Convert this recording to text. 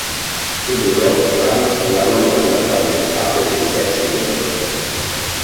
Subito dopo Rand la nomina comandante in capo degli eserciti della Luce.